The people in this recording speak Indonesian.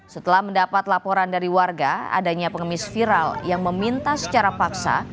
setelah mendapat laporan dari warga adanya pengemis viral yang meminta secara paksa